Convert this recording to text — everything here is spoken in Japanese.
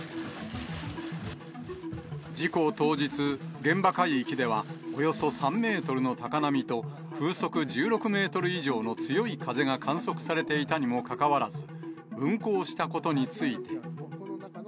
事故当日、現場海域では、およそ３メートルの高波と、風速１６メートル以上の強い風が観測されていたにもかかわらず、運航したことについて。